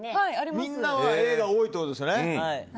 みんなはＡが多いということですね。